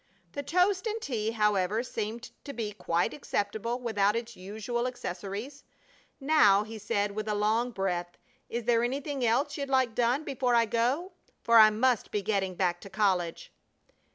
The toast and tea, however, seemed to be quite acceptable without its usual accessories. "Now," he said, with a long breath, "is there anything else you'd like done before I go? for I must be getting back to college."